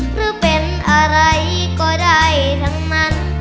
หรือเป็นอะไรก็ได้ทั้งนั้น